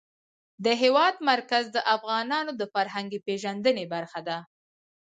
د هېواد مرکز د افغانانو د فرهنګي پیژندنې برخه ده.